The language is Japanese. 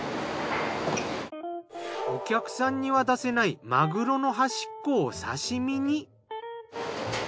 お客さんには出せないマグロの端っこを刺身に。